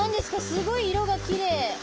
すごい色がきれい！